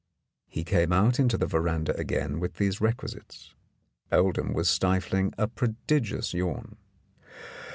He came out into the veranda again with these requisites. Oldham was stifling a prodigious yawn.